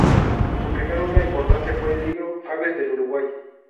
Su primer obra importante fue el libro ""Aves del Uruguay.